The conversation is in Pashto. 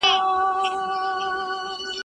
په وښو او په اوربشو یې زړه سوړ وو.